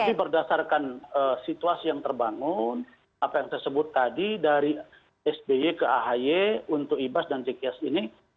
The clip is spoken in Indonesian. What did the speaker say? tapi berdasarkan situasi yang terbangun apa yang saya sebut tadi dari sby ke ahy untuk ibas dan jks ini